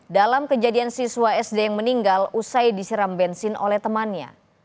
dalam kejadian siswa sd yang meninggal usai disiram bensin oleh temannya